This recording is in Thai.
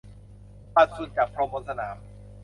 ปัดฝุ่นจากพรมบนสนาม